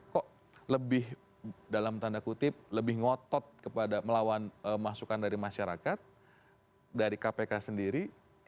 kok lebih dalam tanda kutip lebih ngotot kepada melawan masukan dari masyarakat dari kpk sendiri